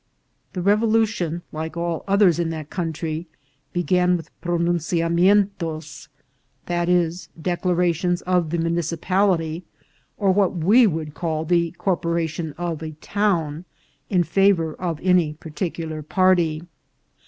The revolution, like all others in that country, began with pronunciamentos, i. e., declarations of the munici pality, or what we would call the corporation of a town, in favour of any particular party.